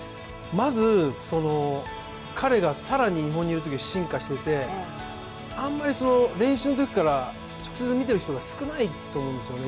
まず彼が更に日本にいたときよりも進化していてあんまり練習の時から普通に見てる人が少ないと思うんですね。